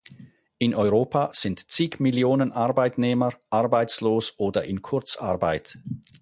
In Europa sind zig Millionen Arbeitnehmer arbeitslos oder in Kurzarbeit.